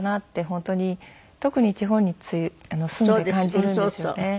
本当に特に地方に住んで感じるんですよね。